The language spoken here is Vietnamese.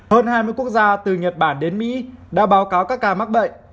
hơn hai mươi quốc gia từ nhật bản đến mỹ đã báo cáo các ca mắc bệnh